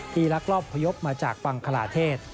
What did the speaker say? ลักลอบพยพมาจากบังคลาเทศ